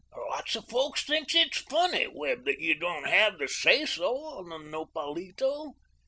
Lots of folks thinks it's funny, Webb, that you don't have the say so on the Nopalito.